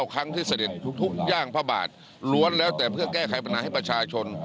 ครั้งที่เสด็จทุกย่างพระบาทล้วนแล้วแต่เพื่อแก้ไขปัญหาให้ประชาชน